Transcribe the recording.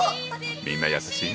みんな優しい。